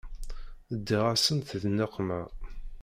Ddiɣ-asent di nneqma.